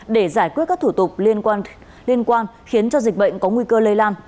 để giải quyết các thủ tục liên quan khiến cho dịch bệnh có nguy cơ lây lan